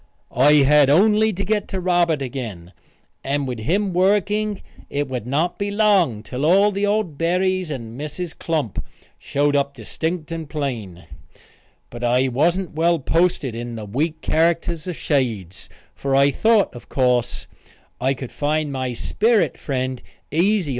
I had only to get Robert again, and with him working it would not be long till all the old Berrys and Mrs. Klump showed up distinct and plain. But I wasn't well posted in the weak characters of shades, for I thought, of course, I could find my sperrit friend easy when night came. Yet I didn't.